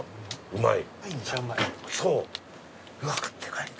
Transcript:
うまい？